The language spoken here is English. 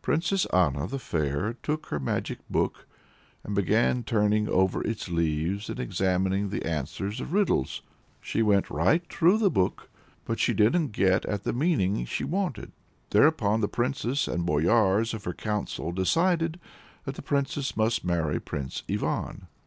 Princess Anna the Fair took her magic book, and began turning over its leaves and examining the answers of riddles. She went right through the book, but she didn't get at the meaning she wanted. Thereupon the princes and boyars of her council decided that the Princess must marry Prince Ivan.